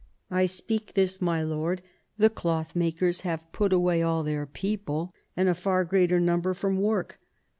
I speak this, my lord : the clothmakers have put away all their people, and a far greater number, from work.